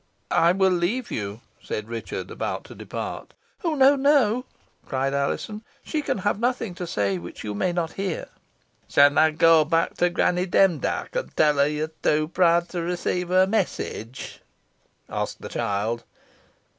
"I will leave you," said Richard, about to depart. "Oh! no, no!" cried Alizon, "she can have nothing to say which you may not hear." "Shan ey go back to Granny Demdike, an tell her yo're too proud to receive her message?" asked the child.